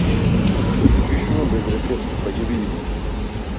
Ќе пишувам без рецепт, па ќе видиме.